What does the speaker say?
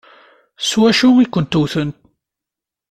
S wacu i kent-wwten?